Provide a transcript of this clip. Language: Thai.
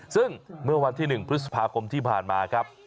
ซึ่งเมื่อวันที่๑พฤษภาคมที่ผ่านมาครับ